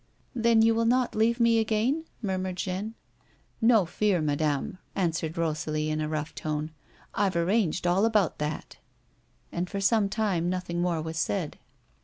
" Then you will not leave me again ?" murmured Jeanne. " No fear, madame," answered Rosalie in a rough tone. " I've arranged all about that." And for some time nothing more was said.